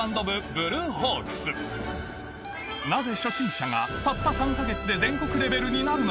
なぜ初心者がたった３か月で全国レベルになるのか